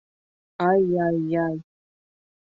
Ай-яй-яй!..